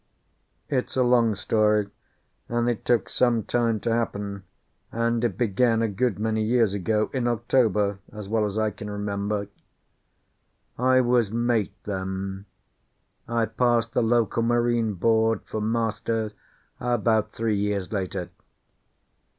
It's a long story, and it took some time to happen; and it began a good many years ago, in October, as well as I can remember. I was mate then; I passed the local Marine Board for master about three years later.